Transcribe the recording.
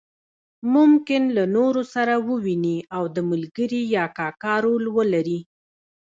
ممکن له نورو سره وویني او د ملګري یا کاکا رول ولري.